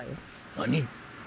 何？